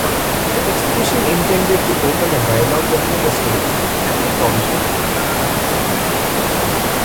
The expedition intended to open a dialogue between the state and the opposition.